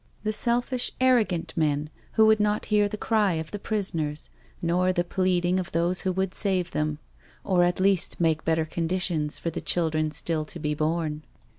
The selfish, arrogant men who would not hear the cry of the prisoners, nor the pleading of those who would save them, or at least make better conditions for the children still to be born.